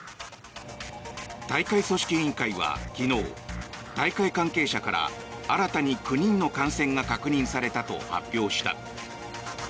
大会組織委員会は昨日大会関係者から新たに９人の感染が確認されたと発表した。